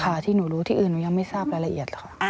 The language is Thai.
ที่หนูรู้ที่อื่นหนูยังไม่ทราบรายละเอียดค่ะ